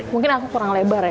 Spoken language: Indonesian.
mungkin aku kurang lebar ya